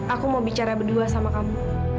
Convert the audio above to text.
aku mau bicara berdua sama kamu